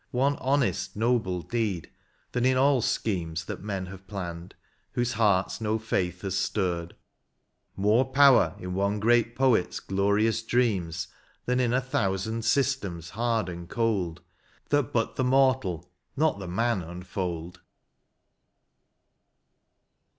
One honest, noble deed, than in all schemes That men have planned, whose hearts no faith hath stirred, — More power in one great poet's glorious dreams Than in a thousand systems hard and cold. That but the mortal, not the man unfold.